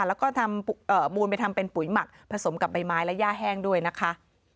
แล้วก็ทำมูลไปทำเป็นปุ๋ยหมักผสมกับใบไม้และย่าแห้งด้วยนะคะ